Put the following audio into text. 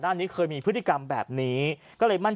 ชาวบ้านญาติโปรดแค้นไปดูภาพบรรยากาศขณะ